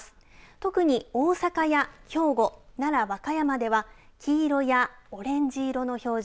特に大阪や兵庫奈良、和歌山では黄色やオレンジ色の表示。